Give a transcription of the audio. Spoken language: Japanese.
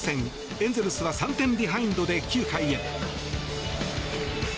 エンゼルスは３点ビハインドで９回へ。